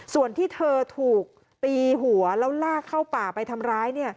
ส่วนที่เธอถูกตีหัวแล้วลากเข้าป่าไปทำร้าย